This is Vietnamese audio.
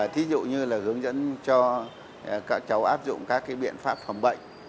thí dụ như là hướng dẫn cho các cháu áp dụng các biện pháp phòng bệnh